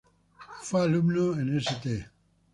Fue alumno en "St.